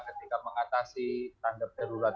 ketika mengatasi tanggap darurat